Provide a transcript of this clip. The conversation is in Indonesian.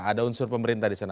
ada unsur pemerintah di sana